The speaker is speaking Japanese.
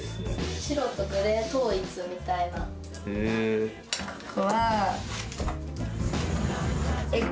白とグレー統一みたいなへえ